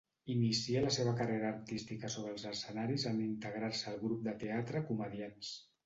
Inicia la seva carrera artística sobre els escenaris en integrar-se al grup de teatre Comediants.